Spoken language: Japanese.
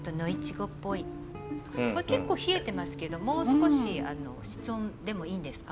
これ結構冷えてますけどもう少し室温でもいいんですか？